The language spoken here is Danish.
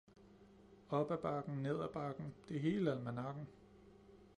Opad bakken, nedad bakken, det er hele almanakken